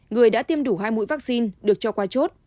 người đã tiêm đủ hai mũi vaccine được cho qua chốt